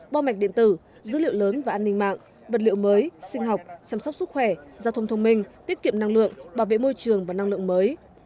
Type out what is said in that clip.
bo mạch điện tử dữ liệu lớn và an ninh mạng vật liệu mới sinh học chăm sóc sức khỏe giao thông thông minh tiết kiệm năng lượng bảo vệ môi trường và năng lượng mới